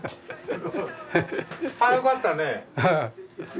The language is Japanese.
早かったねえ。